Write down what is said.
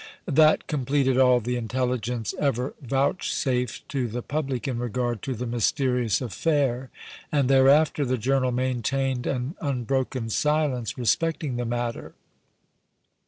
That completed all the intelligence ever vouchsafed to the public in regard to the mysterious affair, and thereafter the journal maintained an unbroken silence respecting the matter.